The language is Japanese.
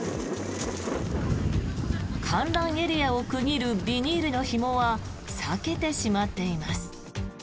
観覧エリアを区切るビニールのひもは裂けてしまっています。